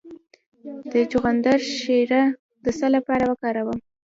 د چغندر شیره د څه لپاره وکاروم؟